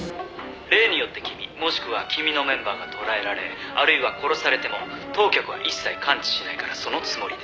「例によって君もしくは君のメンバーが捕らえられあるいは殺されても当局は一切関知しないからそのつもりで」